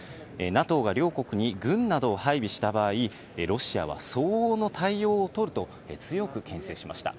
ＮＡＴＯが両国に軍などを配備した場合、ロシアは相応の対応を取ると強くけん制しました。